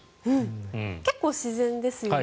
結構自然ですよね。